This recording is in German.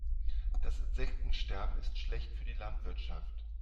Das Insektensterben ist schlecht für die Landwirtschaft.